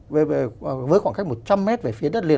với khoảng cách một trăm linh m về phía đất liền